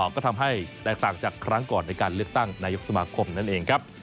ก็ทำให้แตกต่างจากครั้งก่อนในการเลือกตั้งนายกสมาคมนั่นเองครับ